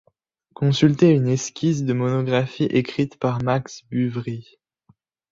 Consultez une esquisse de monographie écrite par Max Buvry.